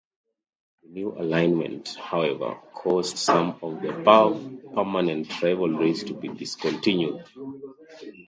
The new alignment, however, caused some of the above permanent rivalries to be discontinued.